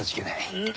うん。